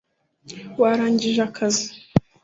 warangije akazi